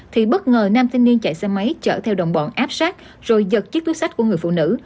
thì bất ngờ nam thanh niên chạy xe máy chở theo đồng bọn áp sát rồi giật chiếc túi sách của người phụ nữ